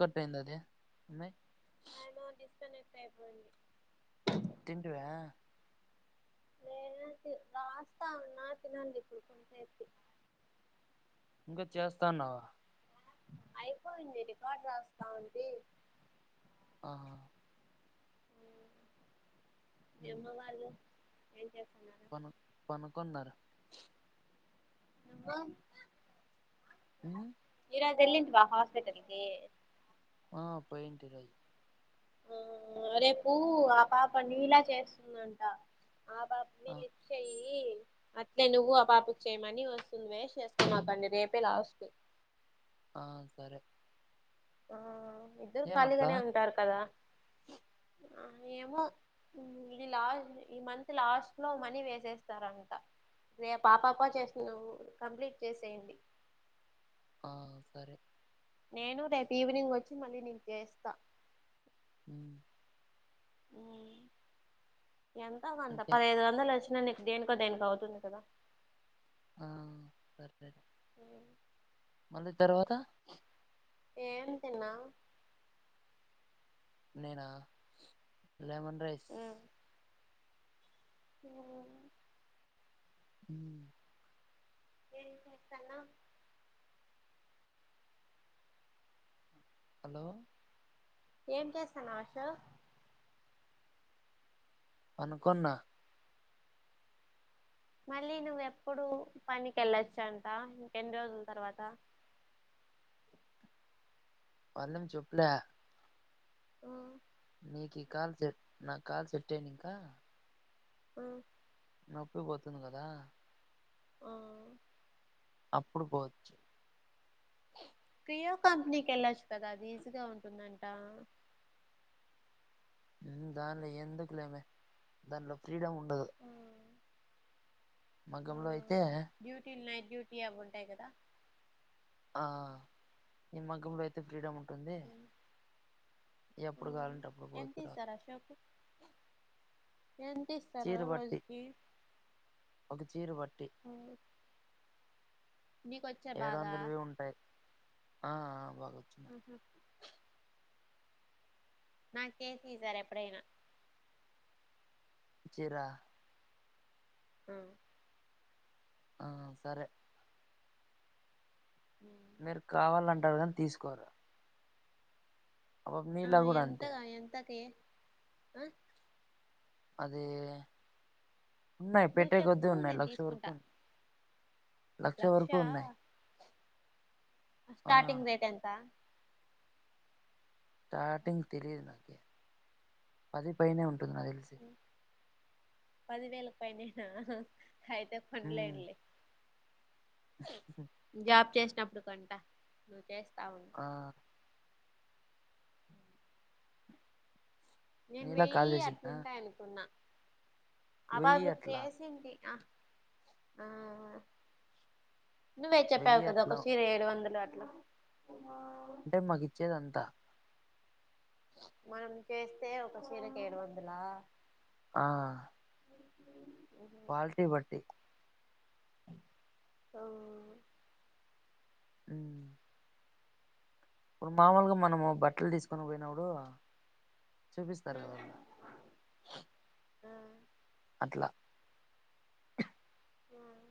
Cut అయింది అది యాడొ డిస్కు కనెక్ట్ అయిపోయింది తింటివా లేదు రాస్తా ఉన్నా తినాలి ఇప్పుడు తింటా ఇప్పుడు ఇంకా చేస్తాన్నావా అయిపోయింది రికార్డు రాస్తా ఉంటి ఆహ మీ అమ్మ వాళ్లు ఏ పన పనకున్నారు ఇంకా మ్మ్ ఆ ఎల్లింటివ హాస్పిటల్కి ఆ పోయింటి ఈ రోజు ఆ రేపు ఆ పాప నిలా చేస్తుందంట ఆ పాపని ఆ లిఫ్ట్ చెయ్యి అట్లే నువ్వు ఆ పాపకి చేయమని వస్తుంది వెస్ట్ చేసుకొమకండి రేపే లాస్ట్ ఆ సరే ఆ ఇద్దరు ఏమట్లా ఖాళీగానే ఉంటారు కదా ఆ ఏమో ఇది లాస్ట్ ఈ మంత్ లాస్ట్ లో మనీ వేసేస్తారంట రేపు ఆపాప చేస్తుంది కంప్లీట్ చేసేయండి ఆ సరే నేను రేపు ఈవినింగ్ వచ్చి మళ్ళీ నికు చేస్తా మ్మ్ ఎంతొ గంతా ఓకే పదహైదు వందలు వచ్చిన నీకి దేనుకో దేనికో అవుతుంది కదా ఆ సరే అవును మళ్ళీ తర్వాత ఏం తిన్నావ్ నేనా లెమన్ రైస్ ఉను ఉన ఏం చేత్తాన్నావ్ హలో ఏం చేస్తాన్నావ్ అశోక్ పనుకున్నా మళ్ళీ నువ్వు ఎప్పుడు పనికి వెళ్ళొచ్చంటా ఇంకెన్ని రోజుల తర్వాత వాళ్ళెం చెప్పులే ఆ నీకి ఈ కల్ సెట్ నా కల్ సట్టేనింకా ఆ నొప్పి పోతుంది కదా ఆ అప్పుడు పోవచ్చు కియా కంపెనీకి వెళ్ళొచ్చు కదా అది ఈజీగా ఉంటుందంట ఉమ్ దానిలో ఎందుకు లేమే దాంట్లో ఫ్రీడమ్ ఉండదు ఆ ఆ మగ్గంలో అయితే డ్యూటీలు నైట్ డ్యూటీ అవి ఉంటాయి కదా ఆ ఈ మగ్గం లో ఐతే ఫ్రీడమ్ ఉంటుంది ఎప్పుడు కావాలంటే అప్పుడు ఎంత పోతు రాదు ఇస్తారు అశోక్ ఎంత ఇస్తారు చీర బట్టి రోజుకి ఒక చీర బట్టి ఉమ్ ఏడు బాగా వందలువి ఉంటాయి ఆ ఆ బా ఉహూ నాకు నేసి ఈ సారి ఎప్పుడైనా చీరా ఉమ్ ఆ సరే మీరు కావాలంటారు కాని తీసుకోరు ఆబ్ ఆ, నీలా గూడా అంతే ఎంతగా ఎంతకి ఆ అదే ఉన్నాయి నువ్వు పెట్టే చెప్పు కొద్దీ ఉన్నాయి లక్ష వరకు లక్ష వరకు లక్ష్యా ఉన్నాయి ఆ స్టార్టింగ్ రేట్ ఎంత స్టార్టింగ్ తెలీదు నాకి పది పైనే ఉంటుంది నాకి తెలిసి పదివేలకి పైనే నా అయితే కొనలేం ఉమ్, లే జాబ్ చేసినప్పుడు కంట నువ్వు చేస్తావు ఆ నేను నీలా కాల్ వెయ్య చేసిందా అట్లుంటాయి అనుకున్నా ఆ వెయ్యి పాపకు అట్లా చేసింటి ఆ ఆ నువ్వే చెప్పావ్ వెయ్యి కదా ఒక అట్లా చీర ఏడు వందలు అని అంటే మాకు ఇచ్చేది అంతా మనం చేస్తే ఒక చీరకు ఏడు వందలా ఆ క్వాలిటీ బట్టి ఓ ఉమ్ ఇప్పుడు మామూలుగా మనము బట్టలు తీసుకునేకి పోయినప్పుడు చూపిస్తారు కద వాళ్ళు ఆ ఇట్లా ఉమ్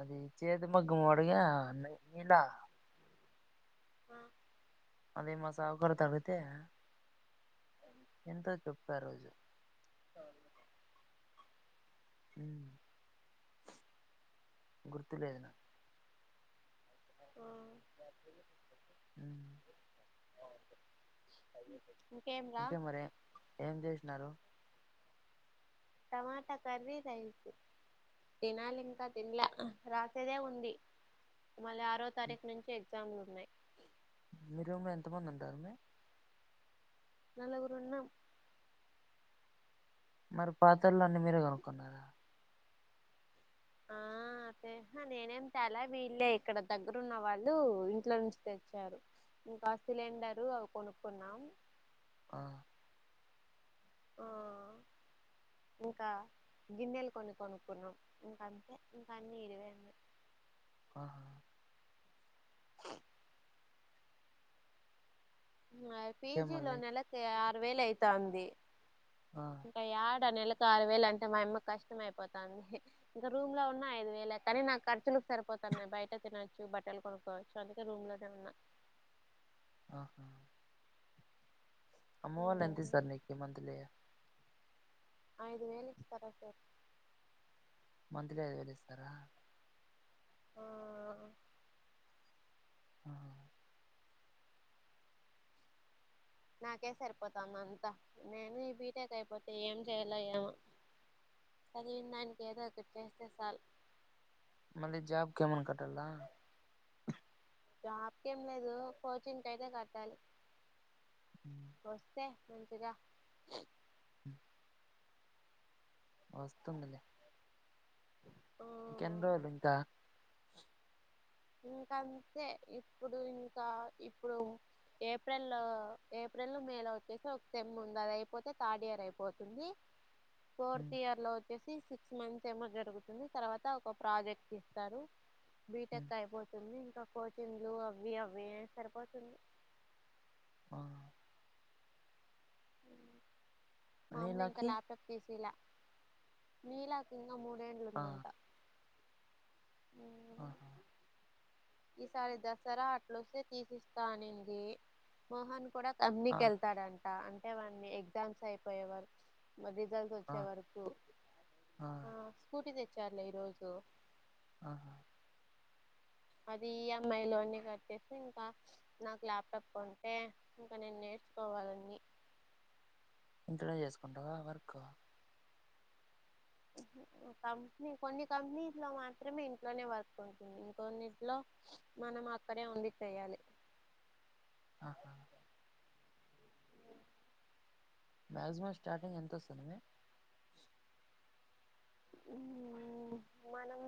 అది చేత మగ్గం వాడుగా నీలా ఆ అదే మా షాపు కాడ తగ్గుతే ఎంతో చెప్ప ఆ రోజు చాలు ఉమ్ గుర్తులేదు నాకు ఆ ఉమ్ ఆ అదే ఇంకేం మరి ఏం చేసినారు టమాటా కర్రీ రైసు తినాలి ఇంకా తిినలా రాతిదే ఉంది మళ్ళీ ఆరో తారీఖు నుంచి ఎగ్జామ్లు ఉన్నాయి మీరుమ్ ఎంత మంది ఉంటారమ్మి నల్గురున్నాం మరి పాతర్లన్ని మీరే కొనుక్కున్నారా ఆ హా నేనేమి తే లా వీళ్ళే ఇక్కడ దగ్గరున్న వాళ్ళు ఇంట్లో నుంచి తెచ్చారు ఇంకా సిలిండరు అవి కొనుక్కున్నాం ఆ ఆ ఇంకా గిన్నెలు కొన్ని కొనుక్కున్నాం ఇంక అంతే ఇంకా అన్నిీ ఇడివే ఆహా ఇంకేం పీజీ లో మళ్ళీ నెలకి ఆరు వేల అయితంది ఆ ఇంకా ఆడ నెల ఆరు వేలు అంటే మాయమ్మక్ కష్టం అయిపోతంది ఇంకా రూమ్ లో ఉన్న ఐదు వేలే కానీ నాకు ఖర్చులకు సరిపో బయట తినొచ్చు బట్టలు కొనుక్కవచ్చు అందుకే రూమ్ లో తిన్నా ఆహా అమ్మవాళ్లు ఎంత ఉమ్, ఇస్తారు నికి మంత్లీ ఐదు వేలు ఇచ్చస్తార సార్ మంత్లీ అదు వేలు ఇస్తారా ఆ ఆహా నాకే సరిపోతంది అంతా నేను ఈ బీటెక్ అయిపోతే ఏం చేయల్లో ఏమో చదివిందానికి ఏదో ఒకటి చేస్తే సాల్ మళ్ళీ జాబ్కి ఏమన్ కట్టలా జాబ్కి ఎం లేదు కోచింగకితేకట్టాలి మ్మ్ వస్తే మంచిగా వస్తుంది లే ఆ ఇంకెన్నిరోజులు ఇంకా ఇంకాంతే ఇప్పుడు ఇంకా ఇప్పుడు ఏప్రిల్ లో ఏప్రిల్ మే లో వచ్చేసి ఒక సెమ్ ఉంది అది అయిపోతే థర్డ్ ఇయర్ అయిపోతుంది పోర్త్ ఉమ్, ఇయర్ లో చ్చేసి సిక్స్ మంత్స్ ఏమో జరుగుతుంది తర్వాత ఒక ప్రాజెక్ట్ ఇస్తారు బి ఉమ్, టెక్కఅయిపోతుంది ఇంకా కోచింగ్లు అవి అవి సరిపోతుంది ఆ మా అమ్మ ఇంకా నీలాకి లాప్టప్ కేసలా నీలాకి ఇంగ మూడేండ్లు ఆ ఉందంట ఆ హా ఈసారి దసరా అట్లో స్తే తీసి ఇస్తానంది మోహన్ కూడా [unintelligible] ఆ వెళ్తాడంట అంటే వాన్ని ఎగ్జామ్స్ అయిపోయేవారు మ రిజల్స్ ఆ వచ్చే వరకు ఆ స్కూటీ తెచ్చారులే ఈరోజు ఆహా అది ఈఎంఐ లోన్ని కట్టేసి ఇంకా నాకు ల్యాప్టాప్ కొంటే ఇంకా నేను నే కోవాలన్ని ఇంట్ల నే చేసుకుంటావా వర్క్ ఓహ కంపెనీ కొన్ని కంపెనీస్ లో మాత్రమే ఇంట్లోనే వర్క్ ఉంటుంది ఇంకన్నిట్లో మనం అక్కడే ఉండి చెయాలి ఆహా మాక్సిమం స్టార్టింగ్ ఎంతొస్తుంది ఉమ్ మనం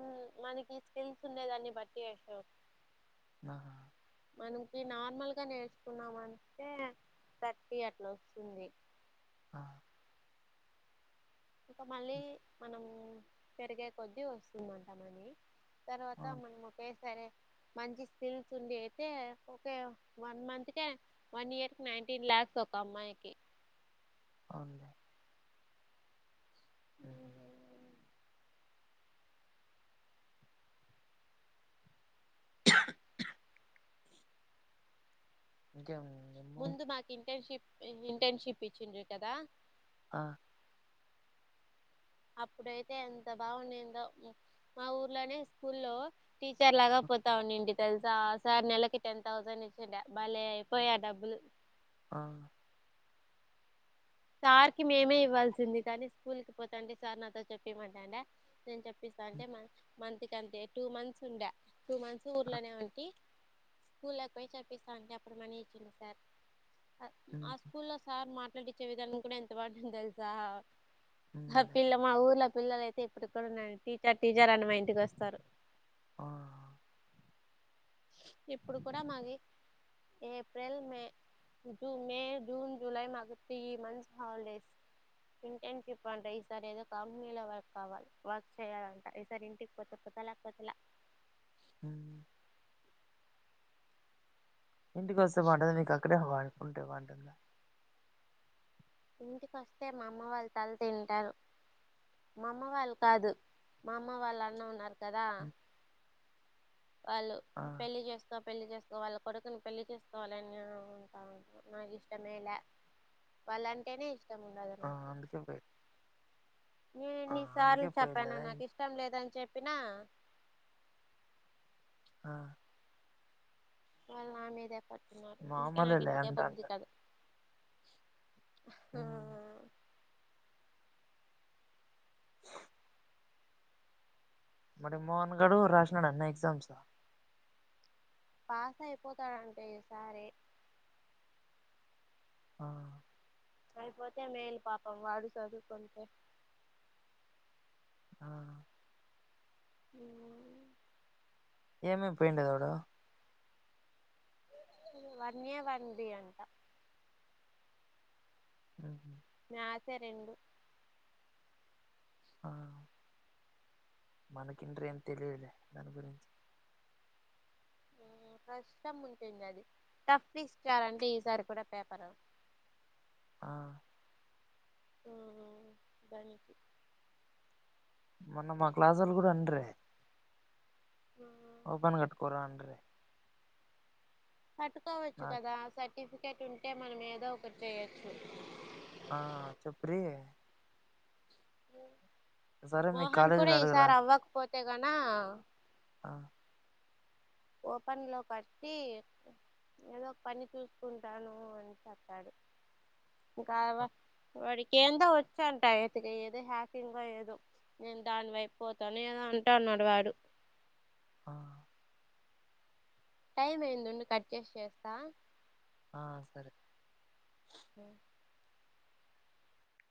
మనకి స్కిల్స్ ఉండే దాన్ని బట్టి అషో ఆ మనకి నార్మల్గా నేర్చుకున్నామ అంటే థర్టీ అట్లా వస్తుంది ఆ ఇంకా మళ్ళీ ఉమ్, మనం పెరిగే కొద్దీ వస్తుందంటామని తర్వాత అవును మనము వాకేసరే మంచి స్కిల్స్ ఉండ అయితే ఒకే వన్ మంత్ క వన్ ఇయర్ కి నైన్టీన్ లాక్స్ ఒక్కామ్మాయికి [inaudible] ఉహు. ఉమ్ ఇంకేం ఏమో ముందు మాకు ఇంటర్న్షిప్ ఇంటర్న్షిప్ ఇచ్చిండు కదా ఆ అప్పుడైతే ఎంత బాగుండేందో మా ఊర్లోనే స్కూల్లో టీచర్ లాగా పోతా ఉనండి తెలుసా ఆ సార్ నెలకి టెన్ థౌసండ్ బలే పోయా డబ్బులు ఆ సార్కి మేమే ఇవ్వాల్సింది కానీ స్కూల్కి పోతండి సార్ నాతో చెప్పిమనేను చె ఉమ్, అంటే మంత్ కి అంటే టూ మంత్స్ ఉండ టూ మంత్స్ ఆ ఊర్లోనే ఉంటి స్కూల్ లేకపోయి చప్పిస్తా అంటే అప్పుడు మనీ ఇచ్చింది సార్ ఆ ఉమ్, స్కూల్లో సార్ మాట్లాడిచ్చే విధానికి కూడా ఎంత బంటందో తెలుసా ఆ ఉందిలే పిల్ల మా ఊర్లో పిల్లలయితే ఇప్పుటికి కూడా ఉన్నా టీచర్ టీచర్ అని మా ఇంటికి వస్తారు ఆ ఇప్పుడు కూడా మాది ఏప్రిల్ మే ఇ మే జూన్ జూలై మాకు త్రి మంత్స్ హాలిడేస్ ఇంటర్న్షిప్ అంట ఈసారి ఏదో కంపెనీలో వర్క్ కావాలి వర్క్ చేయాలంట ఈసారి ఇంటికి పోతే పతలా పతలా ఉమ్ ఇంటికి వస్తే బంటంది మీకు అక్కడే హవాలపు ఉంటే బంటద ఇంటికొస్తే మా అమ్మ వాళ్ళ తల తింటారు మామ్మ వాళ్ళు కాదు మా అమ్మ వాళ్ళు అన్న ఉన్నారు కదా ఉమ్, వాళ్ళు ఆ పెళ్లి చేస్తా పెళ్లి చేస్తా ఇం వాళ్ళ కొడుకుని పెళ్లి చేసుకోవాలని నేను ఉంటా ఉంటాను నాకు ఇష్టమేలా వాళ్ళంటేనే ఇష్టం ఉండధు ఆ మాకు అందుకే పోయి ఆ నేన్ని అందుకే సార్లు చెప్పాను పోయిలేదా నాకు ఇష్టం లేదని చెప్పినా ఆ వాళ్ళు నా మీదే పట్టుకున్నారు ఇంకే నాకు మామూలేలే ఇంటికే అంటాంట పోభుద్ధి కధు ఉమ్ మరి మోహన్ గడ రాష్టనాడన్న ఎగ్జామ్స్ పాస అయి పోతాడా అంట ఈ సారి ఆ అదిపోతే మేల్ పాపం వాడు సధుకుంటే ఆ ఉమ్ ఏమే [unintelligible] వన్ యే వన్ బి అంట ఉ ఆ సేరండు ఆ మనకింట ఏం తెలియలే దాని గురించి కష్టం ఉంటుంది అది టఫ్ ఇచ్చారంటే ఈసారి కూడా పేపర్ ఆ ఓహో దానికి మొన్న మా క్లాస్ ఒల్లు కూడా అండ్రే ఓపెన్ కట్టుకోరా అండ్రే పట్టుకోవచ్చు నాకు కదా సర్టిఫికేట్ ఉంటే మనం ఏదో ఒకటి చేయచ్చు ఆ చెప్పు్రి సరే మీ మోహన్ కూడా కాలేజీలో అడుగురా ఈసారి అవ్వకపోతే గనా ఆ ఓపన్ లో కట్టి ఏదో ఒక పని చూసుకుంటాను అని చెప్పాడు ఇంకా వాడికి ఏందో వచ్చా అంటయితేగా ఏదో హ్యాకింగ్ ఏదో నేను దాని వైపు పోతాను ఏదో అంటా అన్నాడు వాడు ఆ టైం ఏందిండి కట్ చేసి చేస్తా ఆ సరే హ